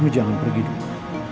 kamu jangan pergi dulu